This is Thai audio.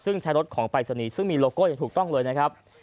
ซึ่งใช้รถของปรายศนีย์ซึ่งมีโลโก้อย่างถูกต้องเลยนะครับ